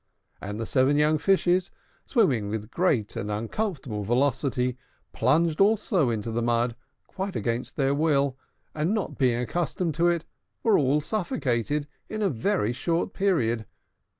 And the seven young Fishes, swimming with great and uncomfortable velocity, plunged also into the mud quite against their will, and, not being accustomed to it, were all suffocated in a very short period.